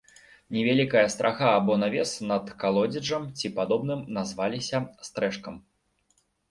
Невялікая страха або навес над калодзежам ці падобным назваліся стрэшкам.